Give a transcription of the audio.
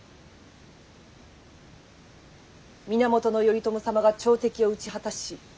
源頼朝様が朝敵を討ち果たし